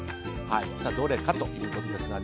さあ、どれかということですが。